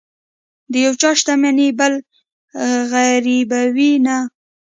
د یو چا شتمني بل غریبوي نه.